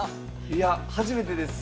いや初めてです。